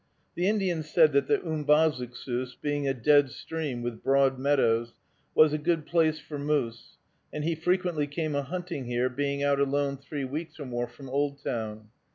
The Indian said that the Umbazookskus, being a dead stream with broad meadows, was a good place for moose, and he frequently came a hunting here, being out alone three weeks or more from Oldtown.